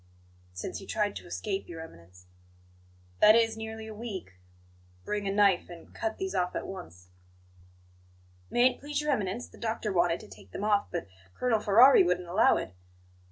"Since he tried to escape, Your Eminence." "That is, nearly a week? Bring a knife and cut these off at once." "May it please Your Eminence, the doctor wanted to take them off, but Colonel Ferrari wouldn't allow it."